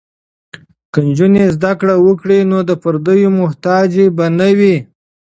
که نجونې زده کړې وکړي نو د پردیو محتاج به نه وي.